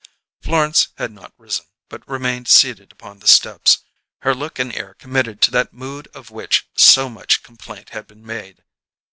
Florence had not risen, but remained seated upon the steps, her look and air committed to that mood of which so much complaint had been made.